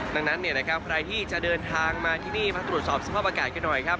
ดังนั้นเนี่ยนะครับใครที่จะเดินทางมาที่นี่มาตรวจสอบสภาพอากาศกันหน่อยครับ